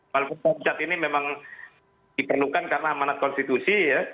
walaupun komponen cadangan ini memang dipenuhkan karena amanat konstitusi